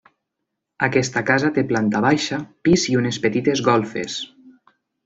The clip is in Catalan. Aquesta casa té planta baixa, pis i unes petites golfes.